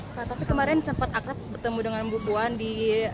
tapi kemarin sempat akrab bertemu dengan bu puan di